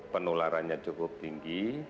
penularannya cukup tinggi